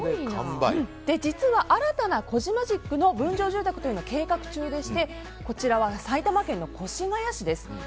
実は、新たなコジマジックの分譲住宅というのを計画中でしてこちらは埼玉県の越谷市です